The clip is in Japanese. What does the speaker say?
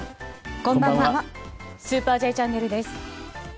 こんばんは「スーパーＪチャンネル」です。